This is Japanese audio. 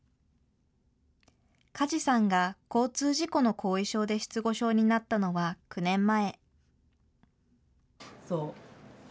梶さんが交通事故の後遺症で失語症になったのは９年前。